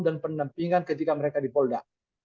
dan penampingan ketika mereka di polda